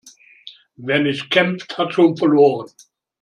Wer nicht kämpft, hat schon verloren.